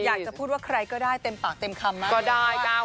อยากจะพูดว่าใครก็ได้เต็มปากเต็มคำมากก็ได้